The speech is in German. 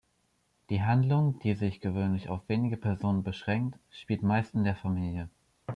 Die Handlung, die sich gewöhnlich auf wenige Personen beschränkt, spielt meist in der Familie.